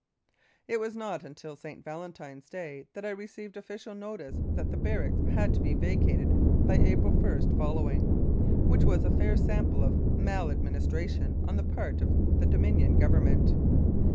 It was not until St. Valentine's Day that I received official notice that the barracks had to be vacated by April i following, which was a fair sample of mal administration on the part of the Dominion Government.